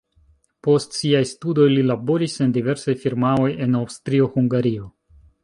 Post siaj studoj li laboris en diversaj firmaoj en Aŭstrio-Hungario.